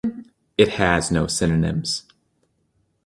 It has no synonyms.